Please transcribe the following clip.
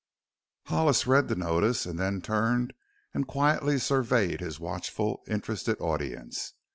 Hollis read the notice and then turned and quietly surveyed his watchful, interested audience.